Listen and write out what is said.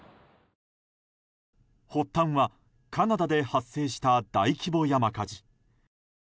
発端は、カナダで発生した大規模山火事。